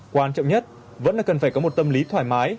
quan trọng nhất vẫn là cần phải có một tâm lý thoải mái